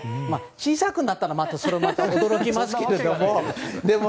小さくなったらまたそれは驚きますけども。